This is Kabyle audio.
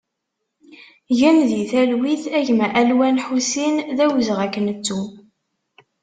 Gen di talwit a gma Alwan Ḥusin, d awezɣi ad k-nettu!